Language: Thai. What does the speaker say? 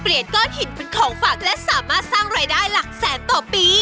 ก้อนหินเป็นของฝากและสามารถสร้างรายได้หลักแสนต่อปี